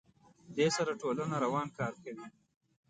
دې سره ټولنه روان کار کوي.